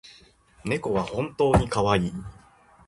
猫は本当にかわいい